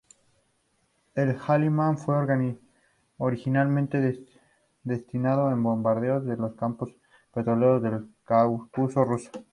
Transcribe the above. El Halifax fue originalmente destinado a bombardear los campos petroleros del Cáucaso ruso.